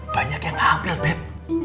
banyak yang ngambil beb